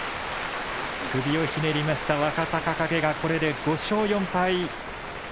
首をひねりました若隆景がこれで５勝４敗。